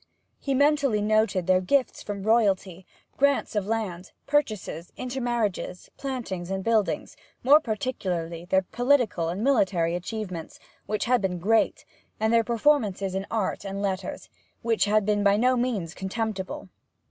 He mentally noted their gifts from royalty, grants of lands, purchases, intermarriages, plantings and buildings; more particularly their political and military achievements, which had been great, and their performances in art and letters, which had been by no means contemptible.